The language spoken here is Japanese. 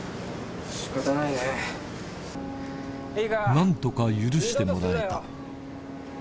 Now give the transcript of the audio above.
何とか許してもらえた